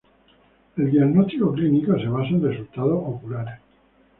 El diagnóstico clínico se basa en resultados oculares.